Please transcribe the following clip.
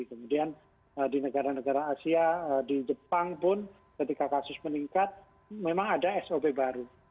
kemudian di negara negara asia di jepang pun ketika kasus meningkat memang ada sop baru